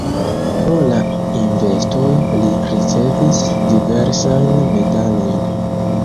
Pro la investoj li ricevis diversajn medalojn.